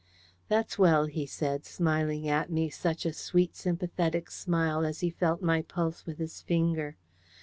"That's well," he said, smiling at me such a sweet sympathetic smile as he felt my pulse with his finger.